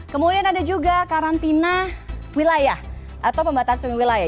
kemudian ada juga karantina wilayah atau pembatasan wilayah